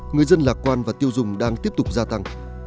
người dân lạc quan và tiêu dùng đang tiếp tục gia tăng